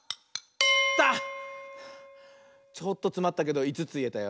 ちょっとつまったけど５ついえたよ。